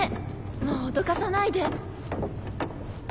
もうおどかさないで。